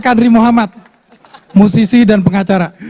kadri muhammad musisi dan pengacara